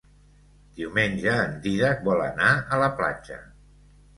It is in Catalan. Diumenge en Dídac vol anar a la platja.